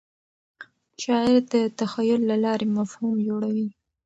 شاعر د تخیل له لارې مفهوم جوړوي.